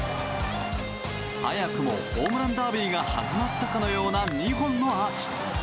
早くもホームランダービーが始まったかのような２本のアーチ。